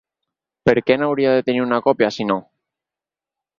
Per què n'hauria de tenir una còpia, sinó?